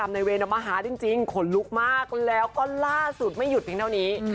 ในเวรมาหาจริงขนลุกมากแล้วก็ล่าสุดไม่หยุดเพียงเท่านี้